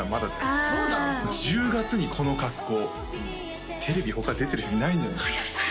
ああ１０月にこの格好テレビ他出てる人いないんじゃないですか？